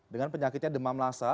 dengan penyakitnya demam lhasa